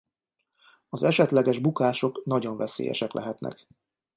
Az esetleges bukások nagyon veszélyesek lehetnek.